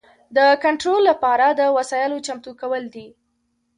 د کنټرول لپاره د وسایلو چمتو کول دي.